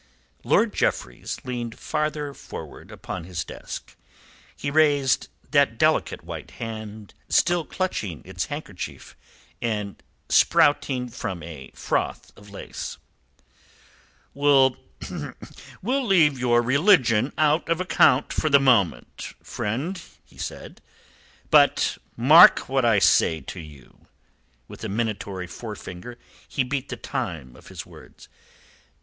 Lord Jeffreys leaned farther forward upon his desk. He raised that delicate white hand, still clutching its handkerchief, and sprouting from a froth of lace. "We'll leave your religion out of account for the moment, friend," said he. "But mark what I say to you." With a minatory forefinger he beat the time of his words.